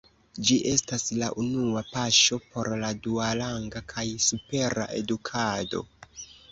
Ĝi estas la unua paŝo por la duaranga kaj supera edukado.